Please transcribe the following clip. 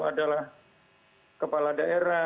adalah kepala daerah